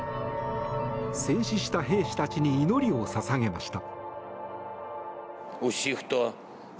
戦死した兵士たちに祈りを捧げました。